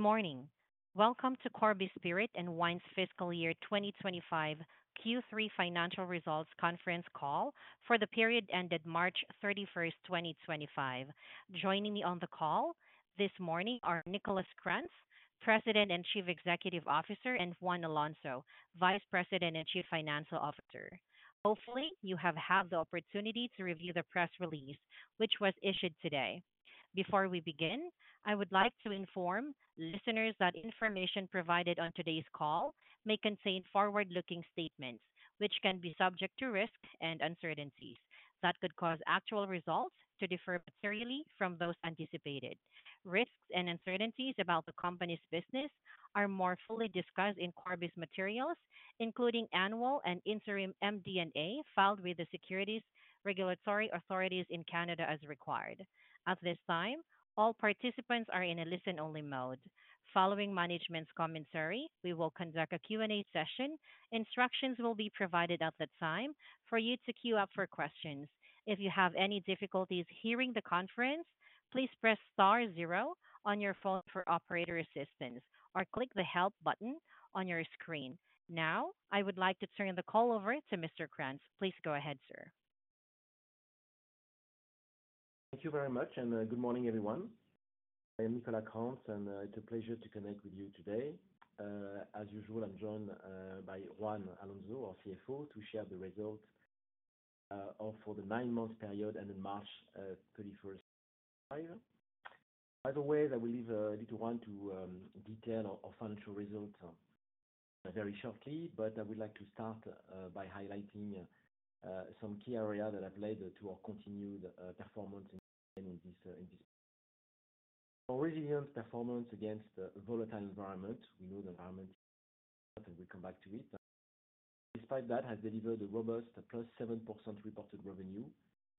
Morning. Welcome to Corby Spirit and Wine's FY25 Q3 Financial Results Conference call for the period ended March 31, 2025. Joining me on the call this morning are Nicolas Krantz, President and Chief Executive Officer, and Juan Alonso, Vice President and Chief Financial Officer. Hopefully, you have had the opportunity to review the press release, which was issued today. Before we begin, I would like to inform listeners that information provided on today's call may contain forward-looking statements, which can be subject to risks and uncertainties that could cause actual results to differ materially from those anticipated. Risks and uncertainties about the company's business are more fully discussed in Corby's materials, including annual and interim MD&A filed with the securities regulatory authorities in Canada as required. At this time, all participants are in a listen-only mode. Following management's commentary, we will conduct a Q&A session. Instructions will be provided at that time for you to queue up for questions. If you have any difficulties hearing the conference, please press star zero on your phone for operator assistance or click the Help button on your screen. Now, I would like to turn the call over to Mr. Krantz. Please go ahead, sir. Thank you very much, and good morning, everyone. I am Nicolas Krantz, and it's a pleasure to connect with you today. As usual, I'm joined by Juan Alonso, our CFO, to share the results for the nine-month period ended March 31st. By the way, I will leave it to Juan to detail our financial results very shortly, but I would like to start by highlighting some key areas that have led to our continued performance in this period. Our resilience performance against a volatile environment, we know the environment, and we'll come back to it, despite that, has delivered a robust plus 7% reported revenue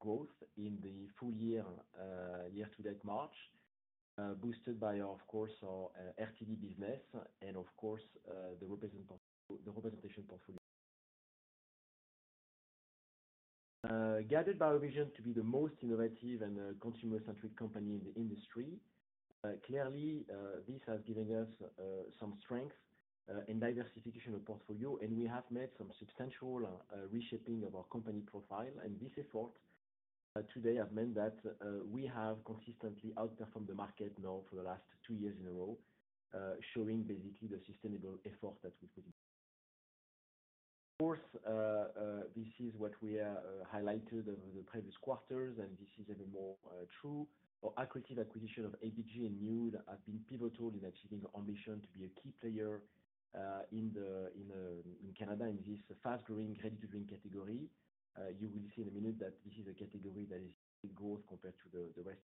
growth in the full year year-to-date March, boosted by, of course, our RTD business and, of course, the representation portfolio. Guided by our vision to be the most innovative and consumer-centric company in the industry, clearly, this has given us some strength in diversification of portfolio, and we have made some substantial reshaping of our company profile. This effort today has meant that we have consistently outperformed the market now for the last two years in a row, showing basically the sustainable effort that we've put in. Of course, this is what we have highlighted over the previous quarters, and this is even more true. Our accuracy of acquisition of ABG has been pivotal in achieving our ambition to be a key player in Canada in this fast-growing ready-to-drink category. You will see in a minute that this is a category that is growth compared to the rest.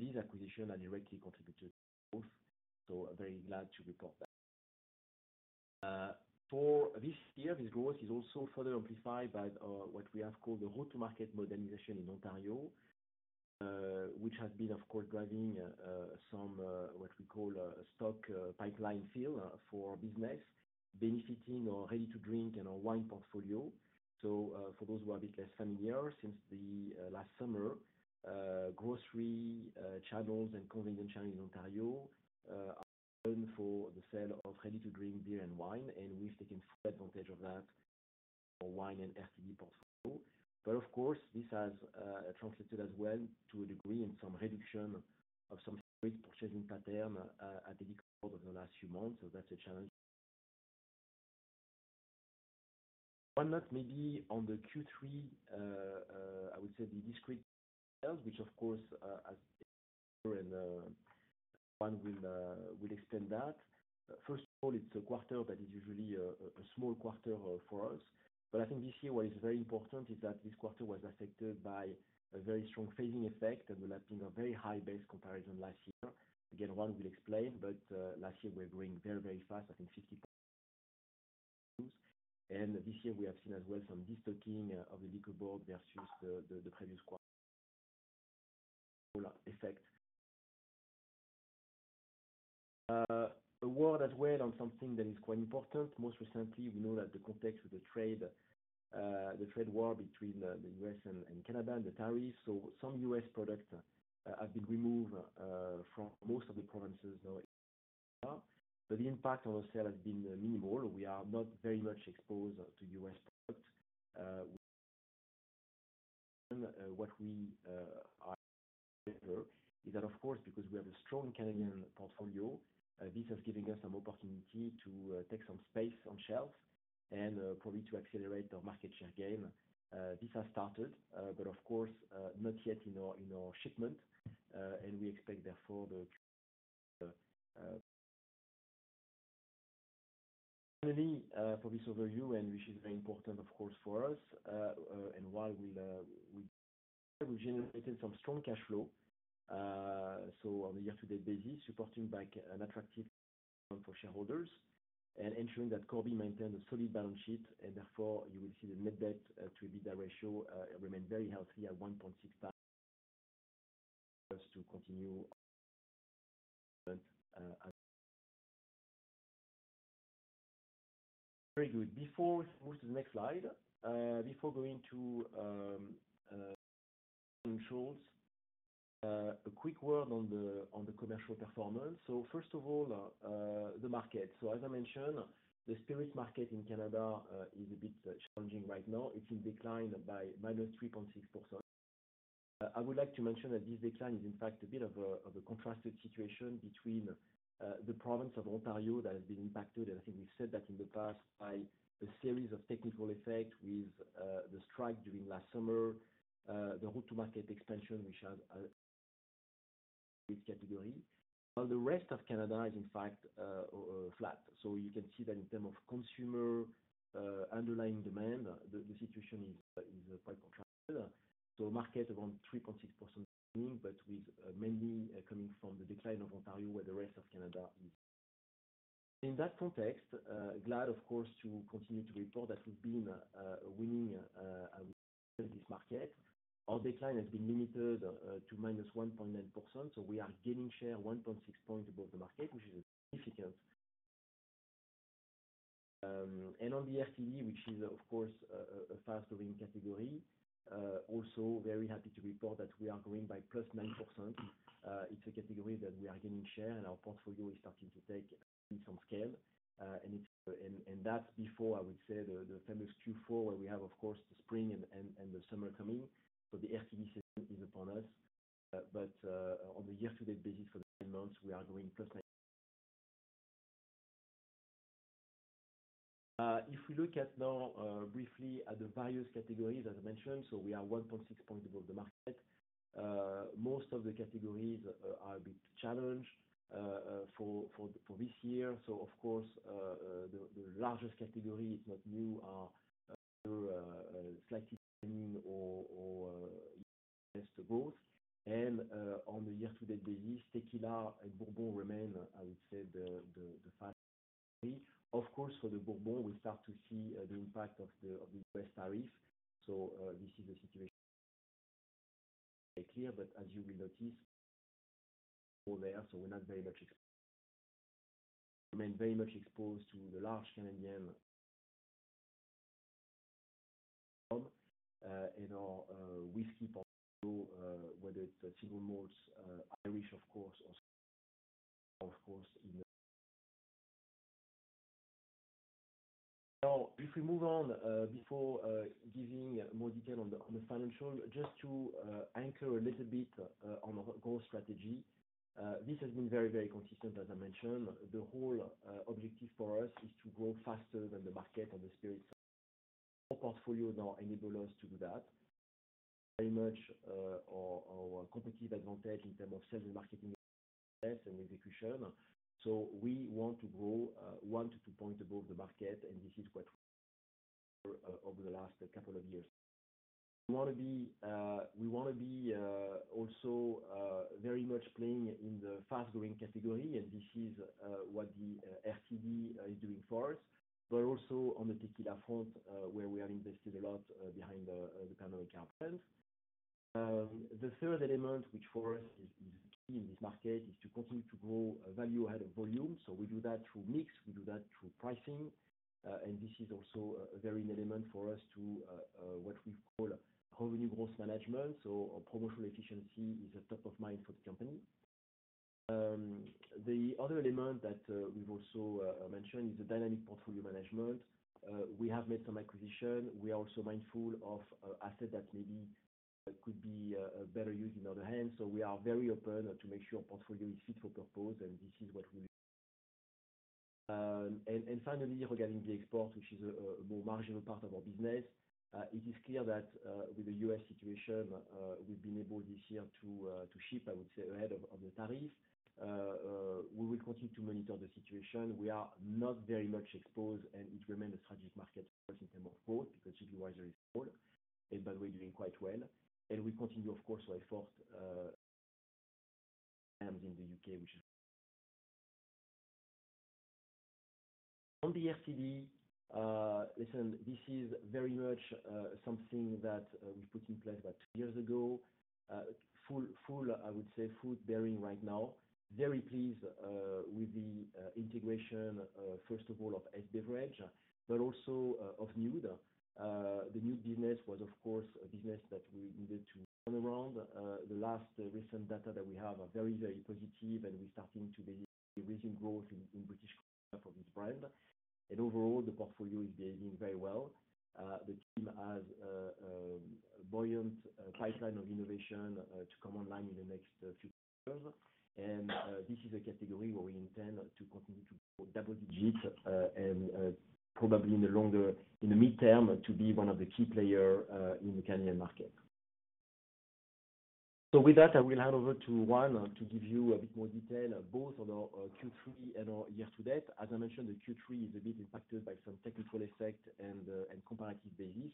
These acquisitions have directly contributed to growth, so I'm very glad to report that. For this year, this growth is also further amplified by what we have called the road-to-market modernization in Ontario, which has been, of course, driving some what we call stock pipeline fill for business, benefiting our ready-to-drink and our wine portfolio. For those who are a bit less familiar, since last summer, grocery channels and convenience channels in Ontario are open for the sale of ready-to-drink beer and wine, and we have taken full advantage of that for wine and RTD portfolio. Of course, this has translated as well to a degree in some reduction of some purchasing patterns at the least over the last few months, so that is a challenge. One note maybe on the Q3, I would say the discreet sales, which of course has—and Juan will explain that. First of all, it is a quarter that is usually a small quarter for us. I think this year what is very important is that this quarter was affected by a very strong phasing effect and the lapping of a very high base comparison last year. Again, Juan will explain, but last year we were growing very, very fast, I think 50 percentage points. This year we have seen as well some destocking of the liquor board versus the previous quarter. A word as well on something that is quite important. Most recently, we know that the context of the trade war between the U.S. and Canada and the tariffs, some U.S. products have been removed from most of the provinces now. The impact on our sale has been minimal. We are not very much exposed to U.S. products. What we are aware is that, of course, because we have a strong Canadian portfolio, this has given us some opportunity to take some space on shelves and probably to accelerate our market share gain. This has started, but of course, not yet in our shipment, and we expect therefore the. Finally, for this overview, and which is very important, of course, for us and why we'll, we've generated some strong cash flow, so on a year-to-date basis, supporting back an attractive return for shareholders and ensuring that Corby maintained a solid balance sheet, and therefore you will see the net debt-to-EBITDA ratio remain very healthy at 1.65. To continue, very good. Before we move to the next slide, before going to insurance, a quick word on the commercial performance. First of all, the market. As I mentioned, the spirits market in Canada is a bit challenging right now. It is in decline by -3.6%. I would like to mention that this decline is, in fact, a bit of a contrasted situation between the province of Ontario that has been impacted, and I think we've said that in the past, by a series of technical effects with the strike during last summer, the road-to-market expansion, which has affected this category. While the rest of Canada is, in fact, flat. You can see that in terms of consumer underlying demand, the situation is quite contrasted. The market is around 3.6%, but with the decline mainly coming from Ontario, while the rest of Canada. In that context, glad, of course, to continue to report that we've been winning this market. Our decline has been limited to -1.9%, so we are gaining share 1.6 percentage points above the market, which is significant. On the RTD, which is, of course, a fast-growing category, also very happy to report that we are growing by +9%. It is a category that we are gaining share in. Our portfolio is starting to take some scale. That is before, I would say, the famous Q4 where we have, of course, the spring and the summer coming. The RTD season is upon us. On the year-to-date basis for the nine months, we are growing +9%. If we look now briefly at the various categories as I mentioned, we are 1.6 percentage points above the market. Most of the categories are a bit challenged for this year. Of course, the largest category, it is not new, are slightly trending or less to growth. On the year-to-date basis, tequila and bourbon remain, I would say, the fast growing. Of course, for the bourbon, we start to see the impact of the U.S. tariffs. This is a situation very clear, but as you will notice, over there, we are not very much exposed. We remain very much exposed to the large Canadian and our whiskey portfolio, whether it is single malts, Irish, of course. Now, if we move on before giving more detail on the financial, just to anchor a little bit on our growth strategy. This has been very, very consistent, as I mentioned. The whole objective for us is to grow faster than the market on the spirit side. All portfolios now enable us to do that. Very much our competitive advantage in terms of sales and marketing and execution. We want to grow one to two percentage points above the market, and this is what we've done over the last couple of years. We want to be also very much playing in the fast-growing category, and this is what the RTD is doing for us, but also on the tequila front, where we have invested a lot behind the Panama brand. The third element, which for us is key in this market, is to continue to grow value ahead of volume. We do that through mix, we do that through pricing, and this is also a very important element for us to what we call revenue growth management. Promotional efficiency is top of mind for the company. The other element that we've also mentioned is the dynamic portfolio management. We have made some acquisitions. We are also mindful of assets that maybe could be better used in other hands. We are very open to make sure our portfolio is fit for purpose, and this is what we'll do. Finally, regarding the export, which is a more marginal part of our business, it is clear that with the U.S. situation, we've been able this year to ship, I would say, ahead of the tariff. We will continue to monitor the situation. We are not very much exposed, and it remains a strategic market for us in terms of growth because EBITDA-wise there is growth, but we're doing quite well. We continue, of course, to effort in the U.K., which, on the RTD, listen, this is very much something that we put in place about two years ago, full, I would say, foot bearing right now. Very pleased with the integration, first of all, of S Beverage, but also of new. The New business was, of course, a business that we needed to turn around. The last recent data that we have are very, very positive, and we're starting to basically resume growth in British for this brand. Overall, the portfolio is behaving very well. The team has a buoyant pipeline of innovation to come online in the next few years. This is a category where we intend to continue to grow double digit and probably in the midterm to be one of the key players in the Canadian market. With that, I will hand over to Juan to give you a bit more detail, both on our Q3 and our year-to-date. As I mentioned, the Q3 is a bit impacted by some technical effects and comparative basis.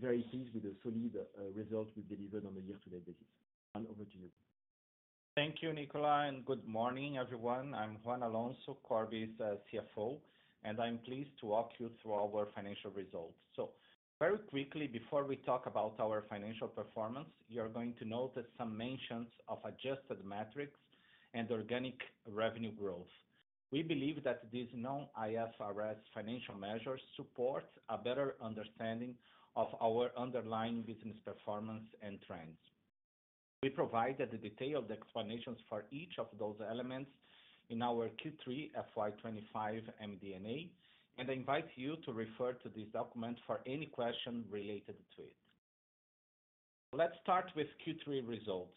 Very pleased with the solid result we've delivered on the year-to-date basis. Juan, over to you. Thank you, Nicolas, and good morning, everyone. I'm Juan Alonso, Corby's CFO, and I'm pleased to walk you through our financial results. Very quickly, before we talk about our financial performance, you're going to notice some mentions of adjusted metrics and organic revenue growth. We believe that these non-IFRS financial measures support a better understanding of our underlying business performance and trends. We provided the detailed explanations for each of those elements in our Q3 FY 2025 MD&A, and I invite you to refer to this document for any question related to it. Let's start with Q3 results.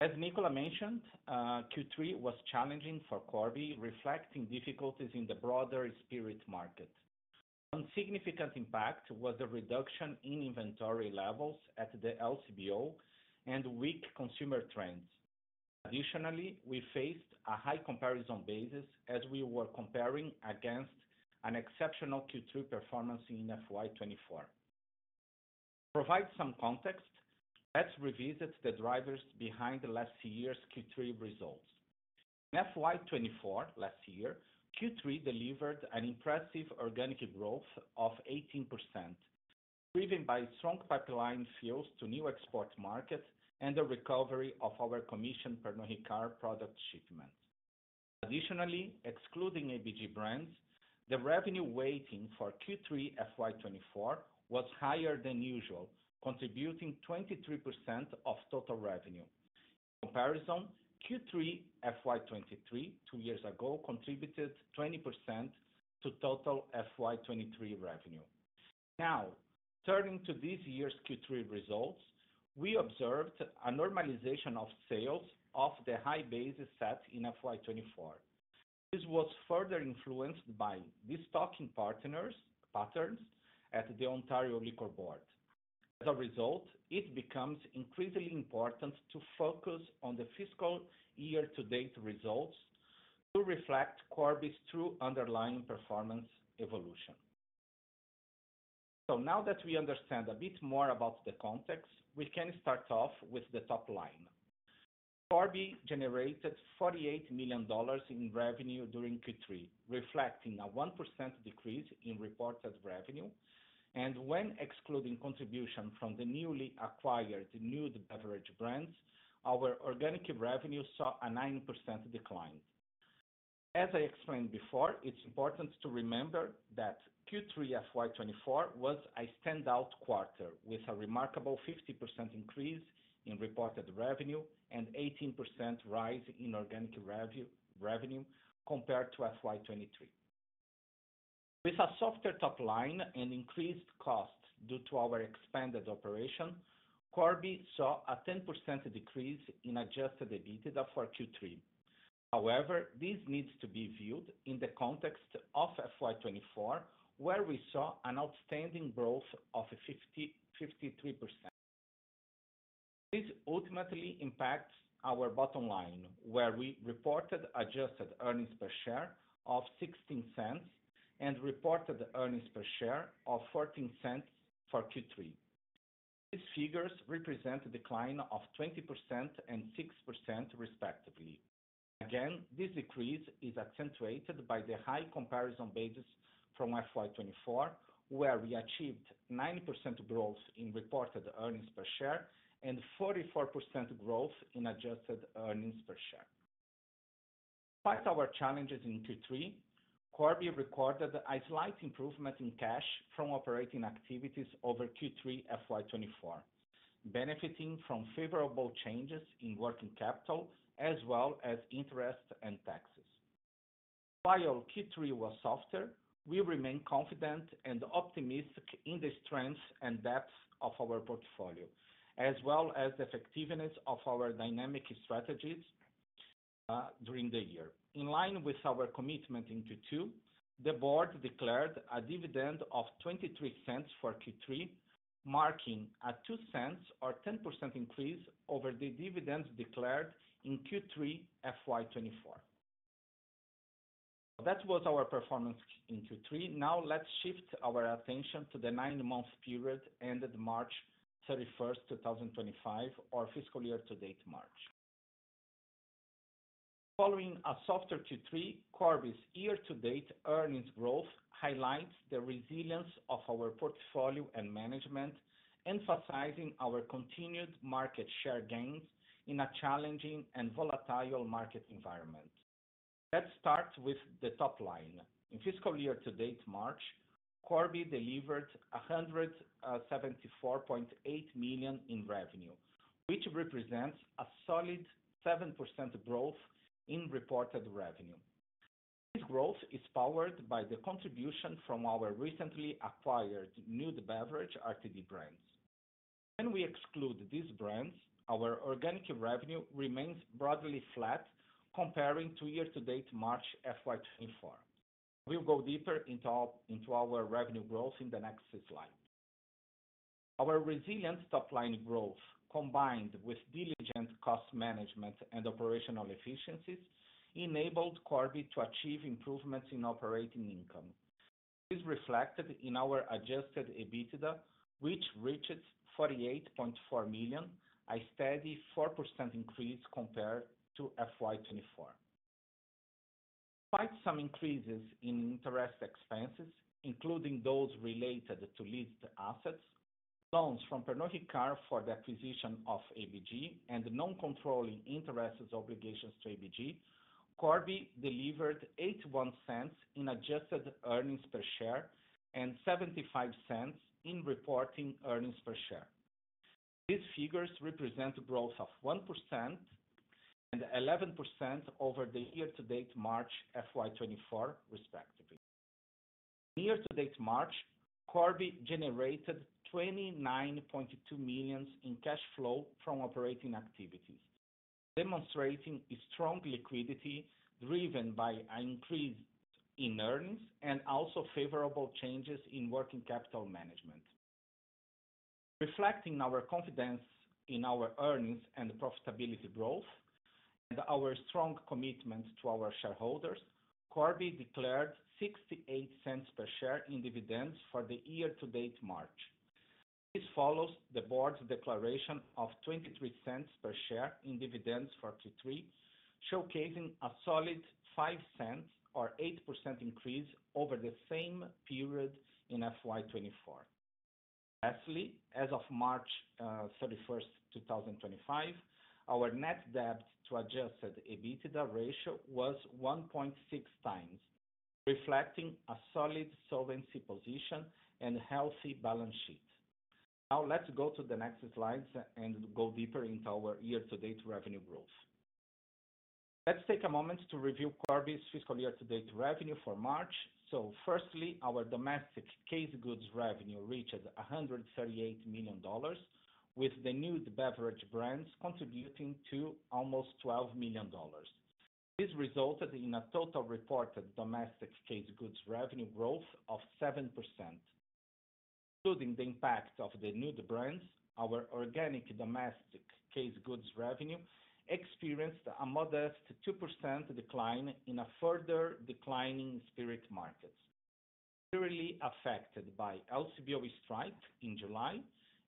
As Nicolas mentioned, Q3 was challenging for Corby, reflecting difficulties in the broader spirit market. One significant impact was the reduction in inventory levels at the LCBO and weak consumer trends. Additionally, we faced a high comparison basis as we were comparing against an exceptional Q3 performance in FY 2024. To provide some context, let's revisit the drivers behind last year's Q3 results. In FY 2024, last year, Q3 delivered an impressive organic growth of 18%, driven by strong pipeline fills to new export markets and the recovery of our commissioned Panama Car product shipment. Additionally, excluding ABG brands, the revenue weighting for Q3 FY 2024 was higher than usual, contributing 23% of total revenue. In comparison, Q3 FY 2023, two years ago, contributed 20% to total FY 2023 revenue. Now, turning to this year's Q3 results, we observed a normalization of sales off the high basis set in FY 2024. This was further influenced by the stocking partners' patterns at the Ontario Liquor Board. As a result, it becomes increasingly important to focus on the fiscal year-to-date results to reflect Corby Spirit and Wine's true underlying performance evolution. So now that we understand a bit more about the context, we can start off with the top line. Corby generated 48 million dollars in revenue during Q3, reflecting a 1% decrease in reported revenue. When excluding contribution from the newly acquired New Beverage brands, our organic revenue saw a 9% decline. As I explained before, it is important to remember that Q3 FY 2024 was a standout quarter with a remarkable 50% increase in reported revenue and 18% rise in organic revenue compared to FY 2023. With a softer top line and increased costs due to our expanded operation, Corby saw a 10% decrease in adjusted EBITDA for Q3. However, this needs to be viewed in the context of FY 2024, where we saw an outstanding growth of 53%. This ultimately impacts our bottom line, where we reported adjusted earnings per share of 0.16 and reported earnings per share of 0.14 for Q3. These figures represent a decline of 20% and 6%, respectively. Again, this decrease is accentuated by the high comparison basis from FY 2024, where we achieved 9% growth in reported earnings per share and 44% growth in adjusted earnings per share. Despite our challenges in Q3, Corby recorded a slight improvement in cash from operating activities over Q3 FY 2024, benefiting from favorable changes in working capital as well as interest and taxes. While Q3 was softer, we remain confident and optimistic in the strengths and depths of our portfolio, as well as the effectiveness of our dynamic strategies during the year. In line with our commitment in Q2, the board declared a dividend of 0.23 for Q3, marking a 0.02 or 10% increase over the dividends declared in Q3 FY 2024. That was our performance in Q3. Now, let's shift our attention to the nine-month period ended March 31st, 2025, or fiscal year-to-date March. Following a softer Q3, Corby's year-to-date earnings growth highlights the resilience of our portfolio and management, emphasizing our continued market share gains in a challenging and volatile market environment. Let's start with the top line. In fiscal year-to-date March, Corby delivered 174.8 million in revenue, which represents a solid 7% growth in reported revenue. This growth is powered by the contribution from our recently acquired New Beverage RTD brands. When we exclude these brands, our organic revenue remains broadly flat comparing to year-to-date March FY 2024. We'll go deeper into our revenue growth in the next slide. Our resilient top line growth, combined with diligent cost management and operational efficiencies, enabled Corby to achieve improvements in operating income. This is reflected in our adjusted EBITDA, which reached 48.4 million, a steady 4% increase compared to FY 2024. Despite some increases in interest expenses, including those related to leased assets, loans from Pernod Ricard for the acquisition of ABG, and non-controlling interest obligations to ABG, Corby delivered 0.81 in adjusted earnings per share and 0.75 in reported earnings per share. These figures represent a growth of 1% and 11% over the year-to-date March 2024, respectively. In year-to-date March, Corby generated 29.2 million in cash flow from operating activities, demonstrating a strong liquidity driven by an increase in earnings and also favorable changes in working capital management. Reflecting our confidence in our earnings and profitability growth and our strong commitment to our shareholders, Corby declared 0.68 per share in dividends for the year-to-date March. This follows the board's declaration of 0.23 per share in dividends for Q3, showcasing a solid 0.05 or 8% increase over the same period in 2024. Lastly, as of March 31st, 2025, our net debt-to-adjusted EBITDA ratio was 1.6x, reflecting a solid solvency position and a healthy balance sheet. Now, let's go to the next slides and go deeper into our year-to-date revenue growth. Let's take a moment to review Corby's fiscal year-to-date revenue for March. Firstly, our domestic case goods revenue reached 138 million dollars, with the New Beverage brands contributing to almost 12 million dollars. This resulted in a total reported domestic case goods revenue growth of 7%. Including the impact of the New Beverage brands, our organic domestic case goods revenue experienced a modest 2% decline in a further declining spirits market, clearly affected by the LCBO strike in July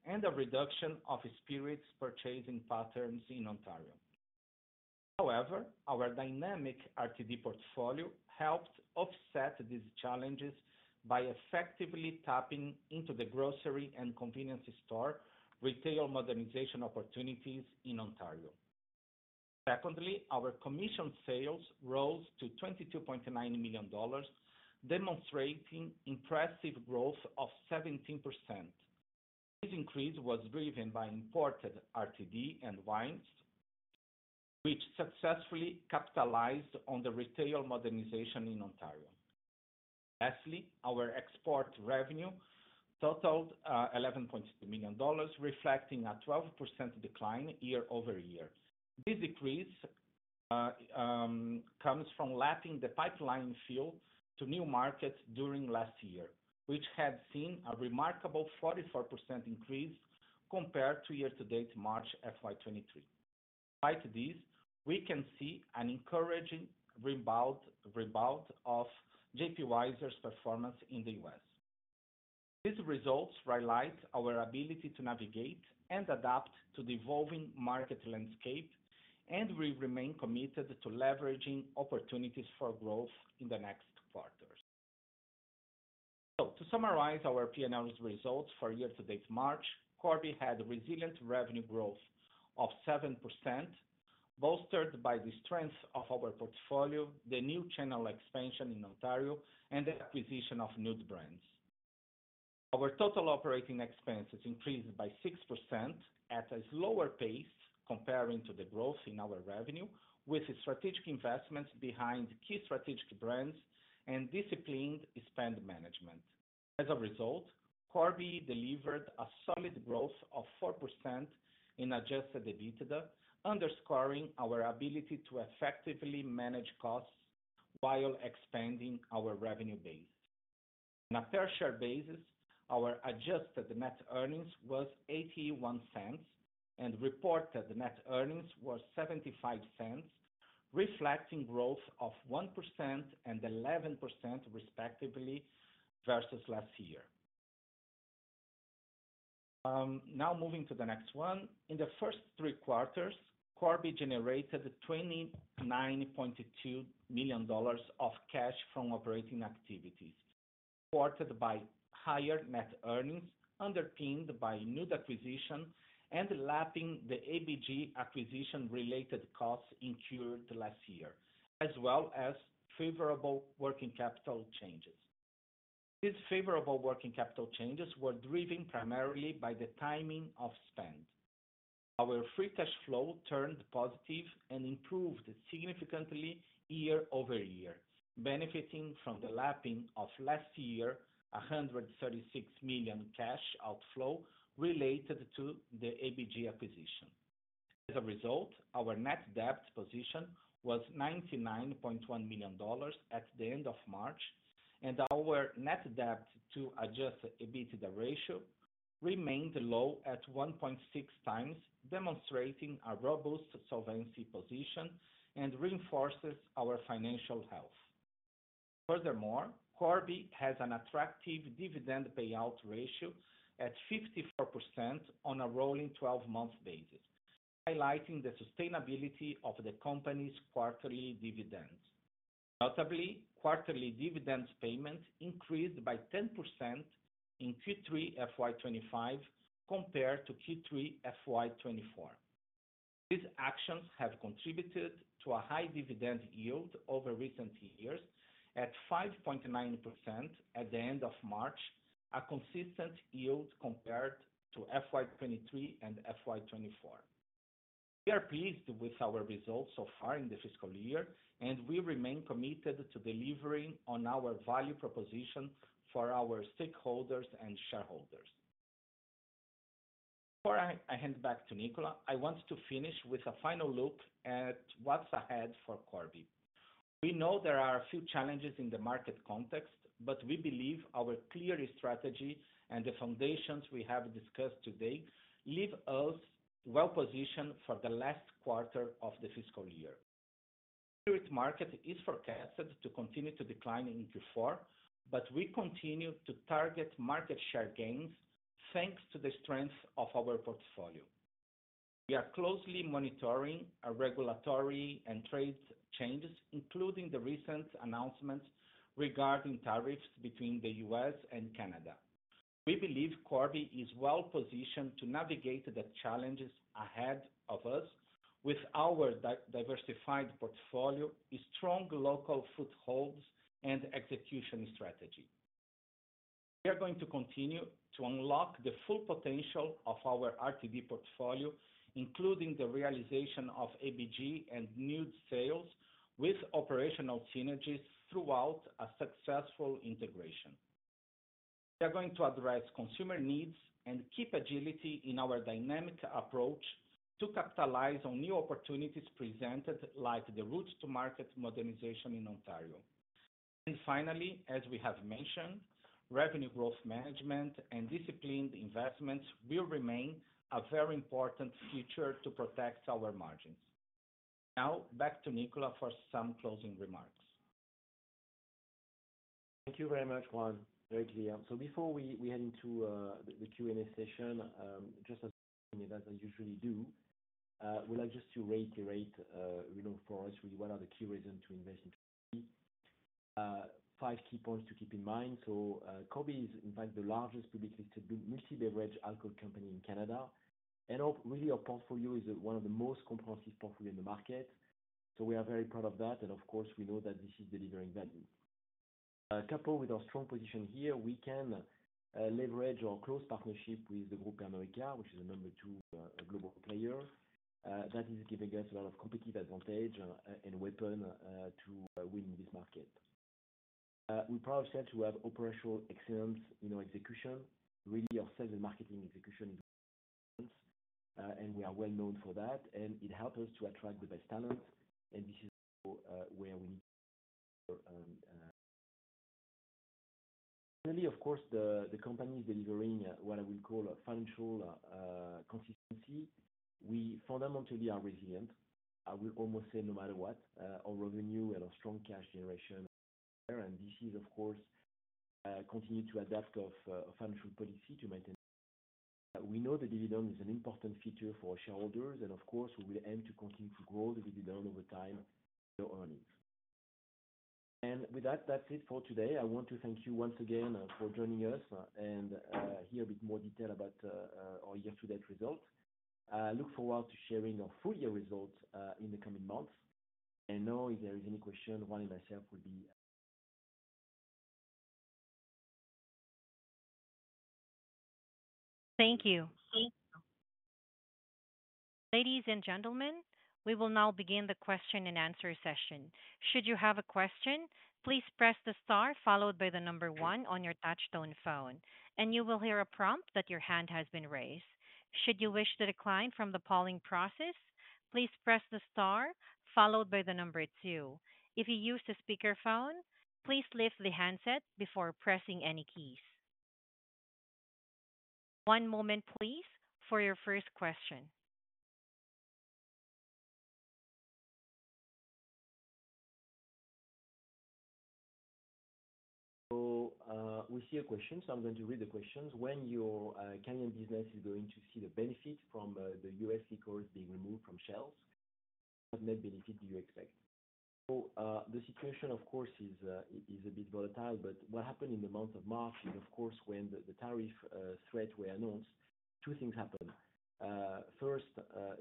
and a reduction of spirits purchasing patterns in Ontario. However, our dynamic RTD portfolio helped offset these challenges by effectively tapping into the grocery and convenience store retail modernization opportunities in Ontario. Secondly, our commissioned sales rose to 22.9 million dollars, demonstrating impressive growth of 17%. This increase was driven by imported RTD and wines, which successfully capitalized on the retail modernization in Ontario. Lastly, our export revenue totaled CAD 11.2 million, reflecting a 12% decline year-over-year. This decrease comes from lapping the pipeline fill to new markets during last year. Which had seen a remarkable 44% increase compared to year-to-date March FY 2023. Despite this, we can see an encouraging rebound of JP Wiser's performance in the US. These results highlight our ability to navigate and adapt to the evolving market landscape, and we remain committed to leveraging opportunities for growth in the next quarters. To summarize our P&L results for year-to-date March, Corby had resilient revenue growth of 7%, bolstered by the strength of our portfolio, the new channel expansion in Ontario, and the acquisition of New Beverage brands. Our total operating expenses increased by 6% at a slower pace comparing to the growth in our revenue, with strategic investments behind key strategic brands and disciplined spend management. As a result, Corby delivered a solid growth of 4% in adjusted EBITDA, underscoring our ability to effectively manage costs while expanding our revenue base. On a per-share basis, our adjusted net earnings was 0.81, and reported net earnings were 0.75, reflecting growth of 1% and 11%, respectively, versus last year. Now moving to the next one. In the first three quarters, Corby generated 29.2 million dollars of cash from operating activities, supported by higher net earnings underpinned by new acquisition and lapping the ABG acquisition-related costs incurred last year, as well as favorable working capital changes. These favorable working capital changes were driven primarily by the timing of spend. Our free cash flow turned positive and improved significantly year-over-year, benefiting from the lapping of last year's 136 million cash outflow related to the ABG acquisition. As a result, our net debt position was 99.1 million dollars at the end of March, and our net debt-to-adjusted EBITDA ratio remained low at 1.6x, demonstrating a robust solvency position and reinforcing our financial health. Furthermore, Corby has an attractive dividend payout ratio at 54% on a rolling 12 month basis, highlighting the sustainability of the company's quarterly dividends. Notably, quarterly dividend payment increased by 10% in Q3 FY 2025 compared to Q3 F Y2024. These actions have contributed to a high dividend yield over recent years at 5.9% at the end of March, a consistent yield compared to FY 2023 and FY 2024. We are pleased with our results so far in the fiscal year, and we remain committed to delivering on our value proposition for our stakeholders and shareholders. Before I hand back to Nicolas, I want to finish with a final look at what's ahead for Corby. We know there are a few challenges in the market context, but we believe our clear strategy and the foundations we have discussed today leave us well-positioned for the last quarter of the fiscal year. Spirit market is forecasted to continue to decline in Q4, but we continue to target market share gains thanks to the strength of our portfolio. We are closely monitoring regulatory and trade changes, including the recent announcements regarding tariffs between the U.S. and Canada. We believe Corby is well-positioned to navigate the challenges ahead of us with our diversified portfolio, strong local footholds, and execution strategy. We are going to continue to unlock the full potential of our RTD portfolio, including the realization of ABG and new sales, with operational synergies throughout a successful integration. We are going to address consumer needs and keep agility in our dynamic approach to capitalize on new opportunities presented, like the route to market modernization in Ontario. Finally, as we have mentioned, revenue growth management and disciplined investments will remain a very important feature to protect our margins. Now, back to Nicolas for some closing remarks. Thank you very much, Juan. Great, Liam. Before we head into the Q&A session, just I usually do, I would like just to reiterate for us really what are the key reasons to invest in Corby. Five key points to keep in mind. Corby's, in fact, the largest publicly listed multi-beverage alcohol company in Canada. Our portfolio is one of the most comprehensive portfolios in the market. We are very proud of that. Of course, we know that this is delivering value. Coupled with our strong position here, we can leverage our close partnership with the Group America, which is a number two global player. That is giving us a lot of competitive advantage and a weapon to win in this market. We pride ourselves to have operational excellence in our execution. Really, our sales and marketing execution is excellent, and we are well-known for that. It helps us to attract the best talent. This is where we need to. Finally, of course, the company is delivering what I would call financial consistency. We fundamentally are resilient. I would almost say no matter what, our revenue and our strong cash generation are there. This is, of course, continuing to adapt our financial policy to maintain our revenue. We know the dividend is an important feature for our shareholders. Of course, we will aim to continue to grow the dividend over time through earnings. With that, that's it for today. I want to thank you once again for joining us and hear a bit more detail about our year-to-date results. I look forward to sharing our full year results in the coming months. Now, if there is any question, Juan and myself will be. Thank you. Ladies and gentlemen, we will now begin the question and answer session. Should you have a question, please press the star followed by the number one on your touch-tone phone, and you will hear a prompt that your hand has been raised. Should you wish to decline from the polling process, please press the star followed by the number two. If you use the speakerphone, please lift the handset before pressing any keys. One moment, please, for your first question. We see a question. I'm going to read the question. When your Canadian business is going to see the benefit from the U.S. liquors being removed from shelves, what net benefit do you expect? The situation, of course, is a bit volatile. What happened in the month of March is, of course, when the tariff threat was announced, two things happened. First,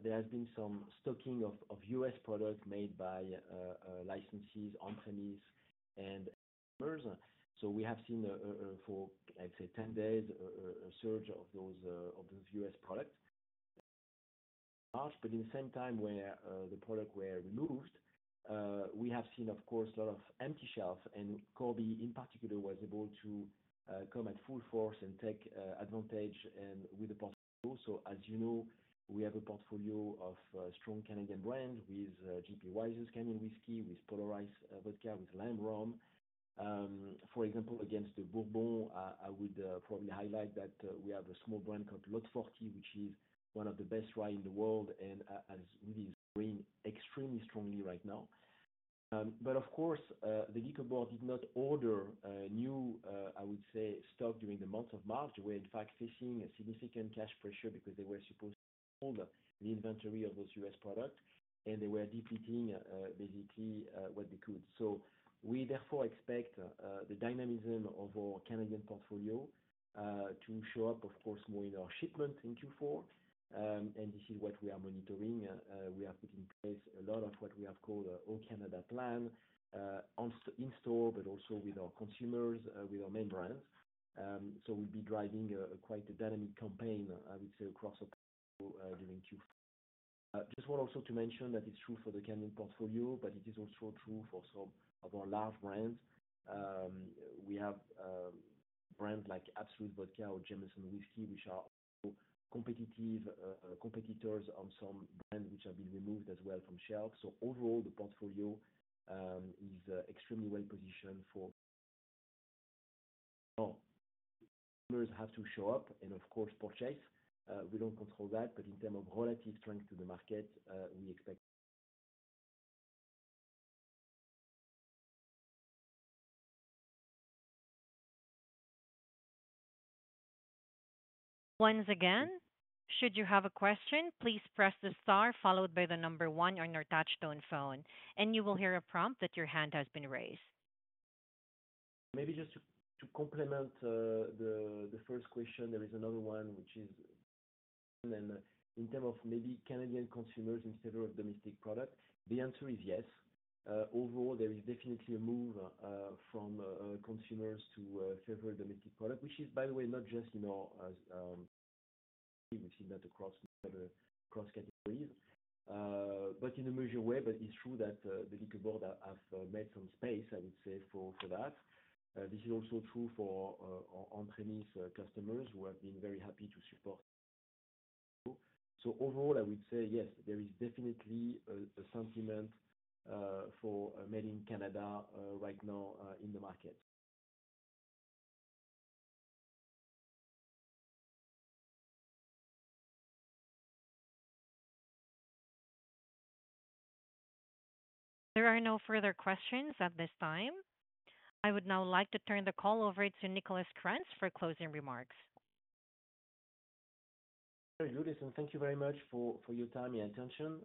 there has been some stocking of U.S. products made by licensees on-premise and consumers. We have seen for, I'd say, 10 days, a surge of those U.S. products. At the same time where the products were removed, we have seen, of course, a lot of empty shelves. Corby, in particular, was able to come at full force and take advantage with the portfolio. As you know, we have a portfolio of strong Canadian brands with JP Wiser's Canadian Whisky, with Polar Ice Vodka, with Lamb's Rum. For example, against the bourbon, I would probably highlight that we have a small brand called Lot 40, which is one of the best rye in the world and has really been growing extremely strongly right now. Of course, the liquor board did not order new, I would say, stock during the month of March. We were, in fact, facing significant cash pressure because they were supposed to hold the inventory of those US products, and they were depleting basically what they could. We, therefore, expect the dynamism of our Canadian portfolio to show up, of course, more in our shipment in Q4. This is what we are monitoring. We are putting in place a lot of what we have called our Canada plan in store, but also with our consumers, with our main brands. We'll be driving quite a dynamic campaign, I would say, across our portfolio during Q4. I just want also to mention that it's true for the Canadian portfolio, but it is also true for some of our large brands. We have brands like Absolut Vodka or Jameson Whiskey, which are competitors on some brands which have been removed as well from shelves. Overall, the portfolio is extremely well-positioned for. Have to show up and, of course, purchase. We don't control that. In terms of relative strength to the market, we expect. Once again, should you have a question, please press the star followed by the number one on your touch-tone phone, and you will hear a prompt that your hand has been raised. Maybe just to complement the first question, there is another one, which is, in terms of maybe Canadian consumers in favor of domestic products, the answer is yes. Overall, there is definitely a move from consumers to favor domestic products, which is, by the way, not just in our industry. We have seen that across categories. In a measured way, but it is true that the liquor board has made some space, I would say, for that. This is also true for our on-premise customers who have been very happy to support. Overall, I would say, yes, there is definitely a sentiment for made in Canada right now in the market. There are no further questions at this time. I would now like to turn the call over to Nicolas Krantz for closing remarks. Great and thank you very much for your time and attention.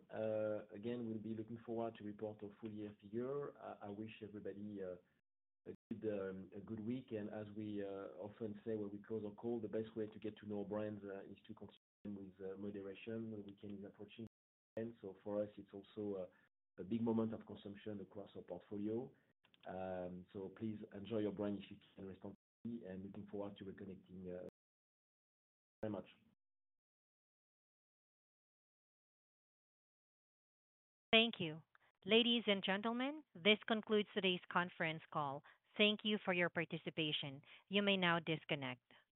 Again, we'll be looking forward to reporting a full year figure. I wish everybody a good week. As we often say when we close our call, the best way to get to know brands is to consume them with moderation. The weekend is approaching, so for us, it's also a big moment of consumption across our portfolio. Please enjoy your brand if you can respond to me. Looking forward to reconnecting very much. Thank you. Ladies and gentlemen, this concludes today's conference call. Thank you for your participation. You may now disconnect.